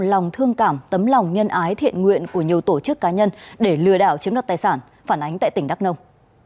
lòng thương cảm tấm lòng nhân ái thiện nguyện của nhiều tổ chức cá nhân để lừa đảo chiếm đoạt tài sản phản ánh tại tỉnh đắk nông